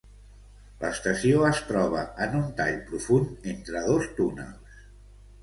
L'estació es troba en un tall profund entre dos túnels.